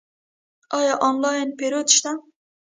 آیا آنلاین پیرود شته؟